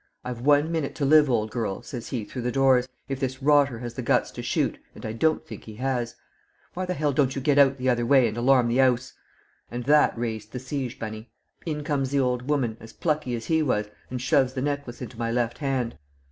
'I've one minute to live, old girl,' says he through the doors, 'if this rotter has the guts to shoot, and I don't think he has. Why the hell don't you get out the other way and alarm the 'ouse?' And that raised the siege, Bunny. In comes the old woman, as plucky as he was, and shoves the necklace into my left hand.